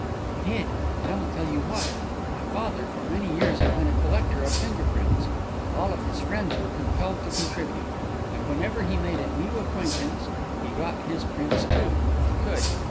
"It did; and I will tell you why. My father, for many years, had been a collector of finger prints. All of his friends were compelled to contribute; and whenever he made a new acquaintance, he got his prints, too, if he could.